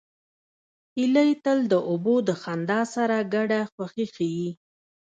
هیلۍ تل د اوبو د خندا سره ګډه خوښي ښيي